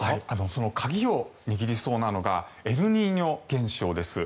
その鍵を握りそうなのがエルニーニョ現象です。